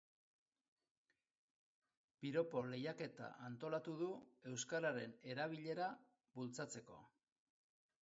Piropo lehiaketa antolatu du euskararen erabilera bultzatzeko.